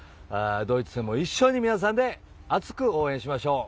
ドイツ戦も一緒に皆さんで熱く応援しましょう。